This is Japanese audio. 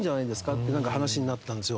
って話になったんですよ。